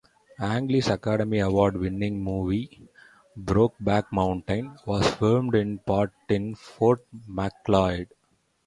Ang Lee's Academy Award-winning movie "Brokeback Mountain" was filmed in part in Fort Macleod.